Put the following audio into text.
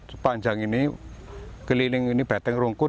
sepanjang ini keliling ini benteng rungkut